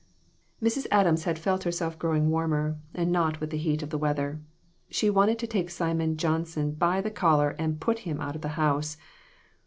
Mrs. Adams had felt herself growing warmer, and not with the heat of the weather. She wanted to take Simon Johnson by the collar and put him out of the house.